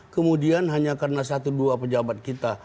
kemudian hanya karena satu dua pejabat kita